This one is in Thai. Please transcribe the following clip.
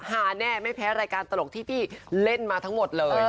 แน่ไม่แพ้รายการตลกที่พี่เล่นมาทั้งหมดเลย